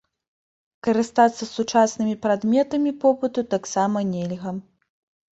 Карыстацца сучаснымі прадметамі побыту таксама нельга.